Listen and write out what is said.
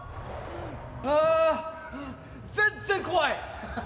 あー、全然怖い！